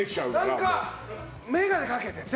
何か眼鏡かけてて。